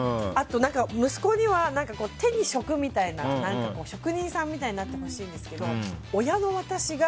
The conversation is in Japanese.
息子には手に職みたいな職人さんみたいになってほしいんですけど親の私が